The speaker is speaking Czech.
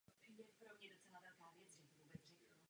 Vystudoval polytechniku v Krakově.